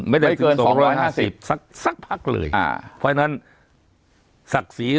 ไม่ได้เกินสองห้าห้าสิบสักสักพักเลยอ่าเพราะฉะสศี